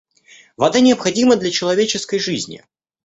Вода необходима для человеческой жизни.